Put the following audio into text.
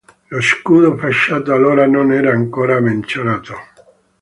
Lo scudo fasciato allora non era ancora menzionato.